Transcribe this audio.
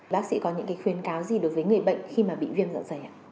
bác sĩ có những khuyến cáo gì đối với người bệnh khi mà bị viêm dạ dày ạ